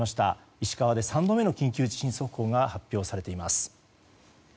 石川で３度目の緊急地震速報が発表されています。